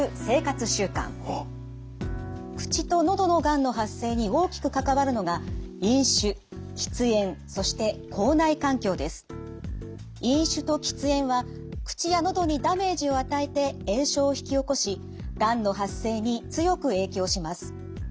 口と喉のがんの発生に大きく関わるのが飲酒と喫煙は口や喉にダメージを与えて炎症を引き起こしがんの発生に強く影響します。